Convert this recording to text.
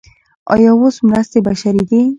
آیا اوس مرستې بشري دي؟